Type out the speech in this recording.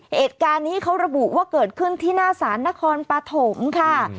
เหตุการณ์นี้เขาระบุว่าเกิดขึ้นที่หน้าศาลนครปฐมค่ะ